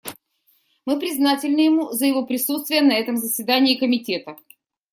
Мы признательны ему за его присутствие на этом заседании Комитета.